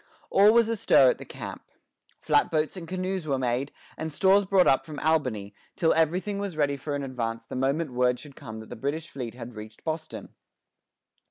All was astir at the camp. Flat boats and canoes were made, and stores brought up from Albany, till everything was ready for an advance the moment word should come that the British fleet had reached Boston.